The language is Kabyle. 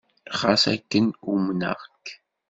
Xas akken, umneɣ-k.